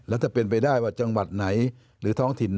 แล้วถ้าเป็นไปได้ว่าจังหวัดไหนหรือท้องถิ่น